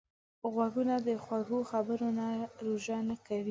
غوږونه د خوږو خبرو نه روژه نه کوي